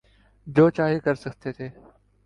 جو چاہے کر سکتے تھے۔